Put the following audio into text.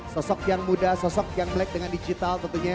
sosok yang muda sosok yang black dengan digital